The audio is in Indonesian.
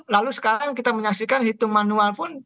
lalu sekarang kita menyaksikan hitung manual pun